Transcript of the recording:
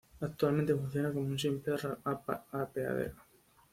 Actualmente funciona como un simple apeadero.